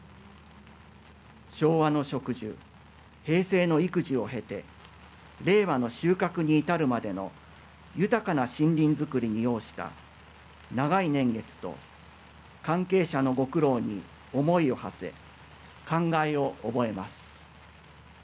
昭和の植樹、平成の育樹を経て令和の収穫に至るまでの豊かな森林づくりに要した長い年月と関係者のご苦労に思いを馳せ感慨を覚えます。